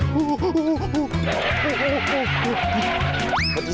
หรือใครกำลังร้อนเงิน